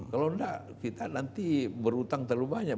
kalau enggak kita nanti berhutang terlalu banyak